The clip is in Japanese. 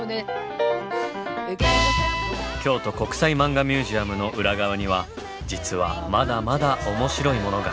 京都国際マンガミュージアムの裏側には実はまだまだ面白いものが。